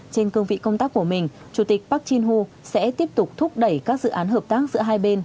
trên cơ vị công tác của mình chủ tịch park jin woo sẽ tiếp tục thúc đẩy các dự án hợp tác giữa hai bên